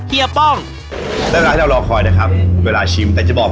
เฮียป้องและเวลาที่เรารอคอยนะครับเวลาชิมแต่จะบอก